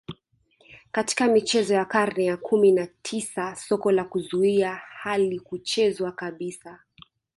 Katika michezo ya karne ya kumi na tisa soka la kuzuia halikuchezwa kabisa